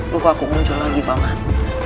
lupa aku muncul lagi pak man